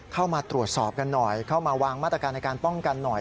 เข้ามาตรวจสอบกันหน่อยเข้ามาวางมาตรการในการป้องกันหน่อย